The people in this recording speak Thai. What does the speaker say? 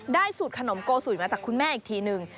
สูตรขนมโกสุยมาจากคุณแม่อีกทีนึง